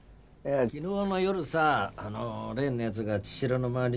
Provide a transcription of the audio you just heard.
昨日の夜さあの例の奴が茅代の周り